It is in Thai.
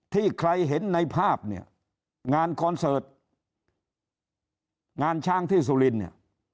ที่ใครเห็นในภาพเนี่ยงานคอนเสิร์ตงานช้างที่สุรินทร์เนี่ย